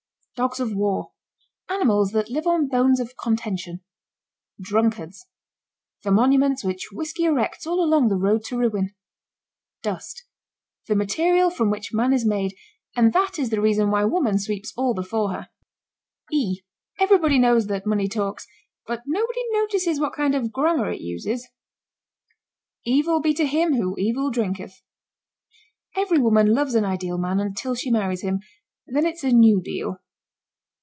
DOGS OF WAR. Animals that live on bones of contention. DRUNKARDS. The monuments which whiskey erects all along the road to ruin. DUST. The material from which man is made and that is the reason why woman sweeps all before her. [Illustration: "E And when she marries her fourth husband its a great deal."] Everybody knows that money talks, but nobody notices what kind of grammar it uses. Evil be to him who evil drinketh. Every woman loves an ideal man until she marries him then it's a new deal.